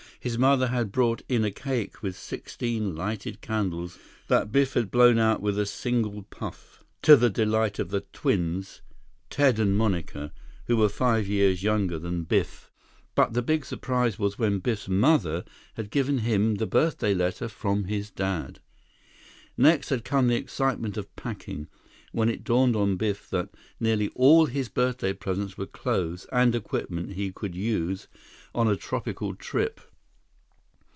His mother had brought in a cake with sixteen lighted candles that Biff had blown out with a single puff, to the delight of the twins, Ted and Monica, who were five years younger than Biff. But the big surprise was when Biff's mother had given him the birthday letter from his dad. Next had come the excitement of packing, when it dawned on Biff that nearly all his birthday presents were clothes and equipment he could use on a tropical trip.